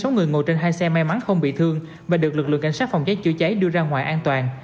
sáu người ngồi trên hai xe may mắn không bị thương và được lực lượng cảnh sát phòng cháy chữa cháy đưa ra ngoài an toàn